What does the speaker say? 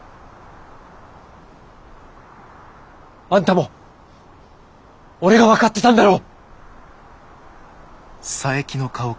あんたも俺が分かってたんだろ？